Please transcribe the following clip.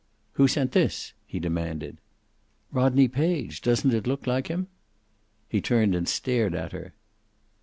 "Who sent this?" he demanded. "Rodney Page. Doesn't it look like him?" He turned and stared at her.